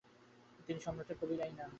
তিনি সম্রাটের কবি রাই হন।